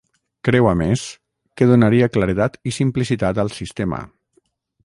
Creu, a més, que donaria ‘claredat i simplicitat al sistema’.